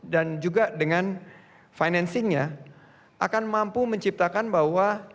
dan juga dengan financingnya akan mampu menciptakan bahwa